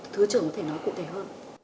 thứ trưởng có thể nói cụ thể hơn